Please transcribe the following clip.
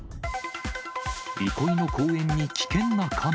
憩いの公園に危険なカメ。